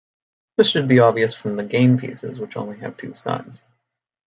This should be obvious from the game pieces, which only have two sides.